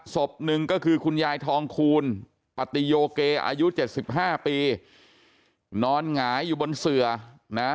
ศพหนึ่งก็คือคุณยายทองคูณปฏิโยเกอายุเจ็ดสิบห้าปีนอนหงายอยู่บนเสือนะ